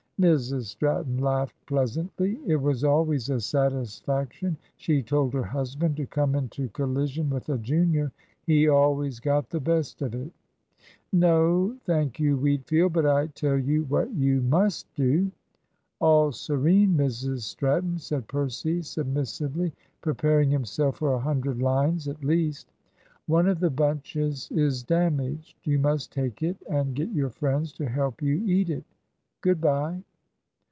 Mrs Stratton laughed pleasantly. It was always a satisfaction, she told her husband, to come into collision with a junior. He always got the best of it. "No, thank you, Wheatfield. But I tell you what you must do." "All serene, Mrs Stratton," said Percy submissively, preparing himself for a hundred lines at least. "One of the bunches is damaged. You must take it and get your friends to help you eat it. Good bye."